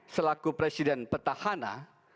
selaku presiden petahana